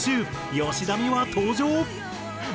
吉田美和登場！